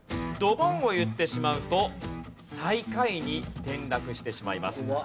ドボンを言ってしまうと最下位に転落してしまいます。